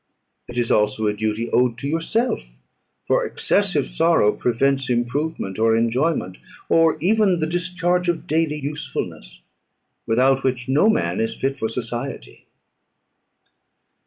It is also a duty owed to yourself; for excessive sorrow prevents improvement or enjoyment, or even the discharge of daily usefulness, without which no man is fit for society."